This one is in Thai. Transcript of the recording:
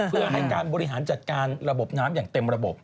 เพื่อให้การบริหารจัดการระบบน้ำอย่างเต็มระบบ